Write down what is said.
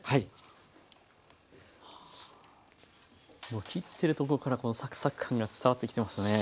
もう切ってるとこからこのサクサク感が伝わってきてましたね。